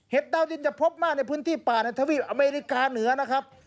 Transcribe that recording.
ดาวดินจะพบมากในพื้นที่ป่าในทวีปอเมริกาเหนือนะครับ